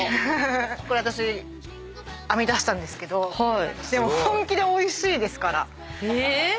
これ私編み出したんですけどでも本気でおいしいですから。